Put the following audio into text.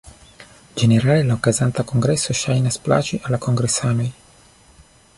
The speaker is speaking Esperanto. Ĝenerale la okazanta kongreso ŝajnas plaĉi al la kongresanoj.